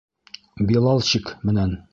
Билалчик менән!